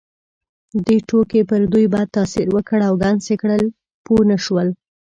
دې ټوکې پر دوی بد تاثیر وکړ او ګنګس یې کړل، پوه نه شول.